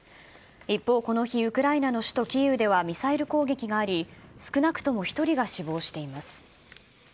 一方、この日、ウクライナの首都キーウではミサイル攻撃があり、少なくとも１人が死亡しています。